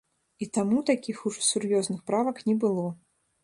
І таму такіх ужо сур'ёзных правак не было.